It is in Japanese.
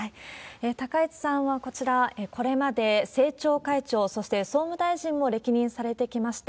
高市さんはこちら、これまで政調会長、そして総務大臣も歴任されてきました。